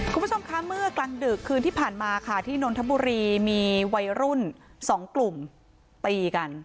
คุณผู้ชมคะเมื่อกลางดึกคืนที่ผ่านมาค่ะที่นนทบุรีมีวัยรุ่นสองกลุ่มตีกัน